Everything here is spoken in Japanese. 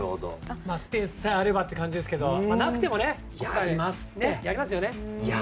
スペースさえあればという感じですがなくても、やりますよね。